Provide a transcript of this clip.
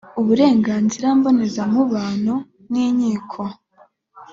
uburenganzira mbonezamubano n inkiko